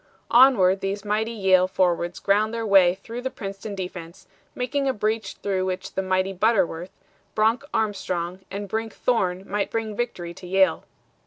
Onward these mighty Yale forwards ground their way through the Princeton defense, making a breach through which the mighty Butterworth, Bronc Armstrong and Brink Thorne might bring victory to Yale.